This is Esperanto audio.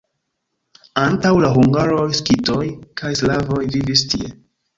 Antaŭ la hungaroj skitoj kaj slavoj vivis tie.